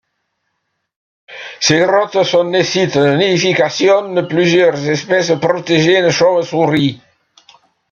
Ces grottes sont des sites de nidification de plusieurs espèces protégées de chauves-souris.